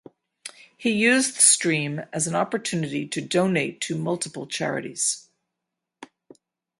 He used the stream as an opportunity to donate to multiple charities.